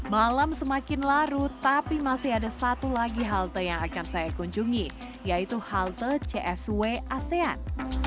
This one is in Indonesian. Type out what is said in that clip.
malam semakin larut tapi masih ada satu lagi halte yang akan saya kunjungi yaitu halte csw asean